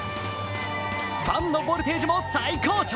ファンのボルテージも最高潮。